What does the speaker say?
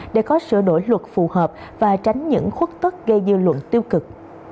để có sửa đổi luật phù hợp và tránh những khuất tức gây dư luận tiêu cực